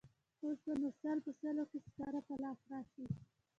اوس به نو سل په سلو کې سکاره په لاس راشي.